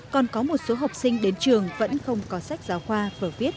còn có một số học sinh đến trường vẫn không có sách giáo khoa phở viết